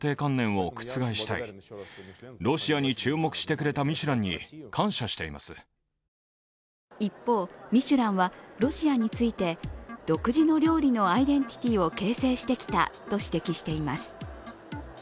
そんな中でのムーヒンさんの料理への思いは一方、ミシュランはロシアについて独自の料理のアイデンティティーを形成してきたと指摘しています。